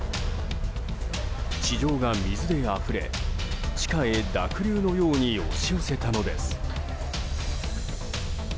地上が水であふれ、地下へ濁流のように押し寄せたのです。